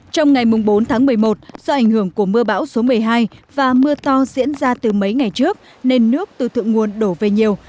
trong ngày bốn tháng một mươi một do ảnh hưởng của mưa bão số một mươi hai và mưa to diễn ra từ mấy ngày trước nên nước từ thượng nguồn đổ về nhiều